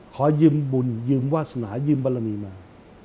ขอยิ้มบุญยิ้มวาสนายิ้มบรรณีมา